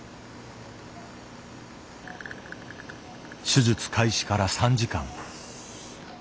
手術開始から３時間。